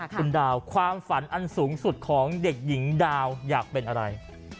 คุณดาวความฝันอันสูงสุดของเด็กหญิงดาวอยากเป็นอะไร